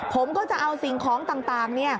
ผมก็จะเอาสิ่งของต่าง